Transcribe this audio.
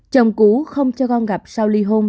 chồng cũ không cho con gặp sau ly hôn